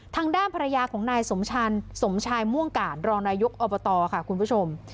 ทางด้านภรรยาของนายสมชันสมชายม่วงกาดรองนายกอบตค่ะคุณผู้ชม